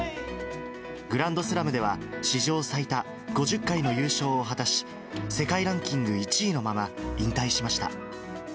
グランドスラムでは、史上最多５０回の優勝を果たし、世界ランキング１位のまま、引退しました。